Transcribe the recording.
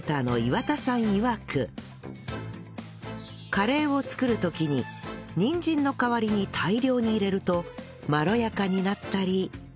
カレーを作る時ににんじんの代わりに大量に入れるとまろやかになったり